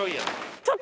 ちょっと。